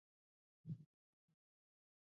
د افغانستان صادرات مخ په ډیریدو دي